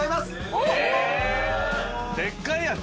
おっでっかいやつ？